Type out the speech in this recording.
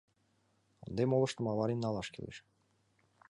Ынде молыштым авырен налаш кӱлеш.